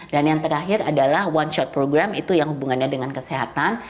dan yang terakhir adalah one shot program itu yang hubungannya dengan kesehatan